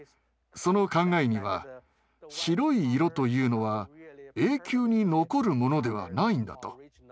その考えには白い色というのは永久に残るものではないんだと。